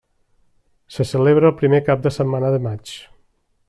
Se celebra el primer cap de setmana de maig.